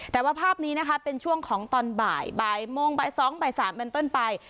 แต่ว่าภาพนี้นะคะเป็นช่วงของตอนบ่ายบ่ายโมงบ่าย๒บ่าย๓เป็นต้นไป